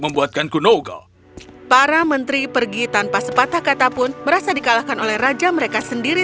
membuatkan kunogo para menteri pergi tanpa sepatah kata pun merasa dikalahkan oleh raja mereka sendiri